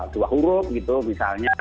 dua huruf gitu misalnya